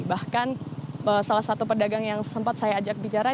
bahkan salah satu pedagang yang sempat saya ajak bicara